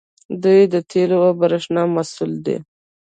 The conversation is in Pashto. دوی د تیلو او بریښنا مسوول دي.